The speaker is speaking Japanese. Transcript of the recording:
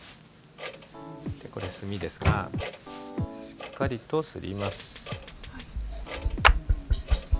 これ墨ですがしっかりとすります。